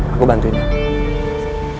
aku bantuin kamu